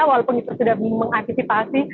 walaupun itu sudah mengaktifasi